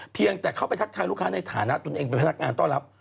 เพียงแต่เข้าไปทักทายลูกค้าในฐานะตัวเองเป็นพนักงานต้อนรับ